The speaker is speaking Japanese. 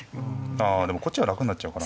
あでもこっちは楽になっちゃうから。